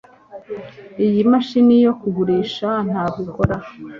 iyi mashini yo kugurisha ntabwo ikora